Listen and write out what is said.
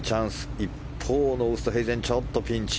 一方のウーストヘイゼンちょっとピンチ。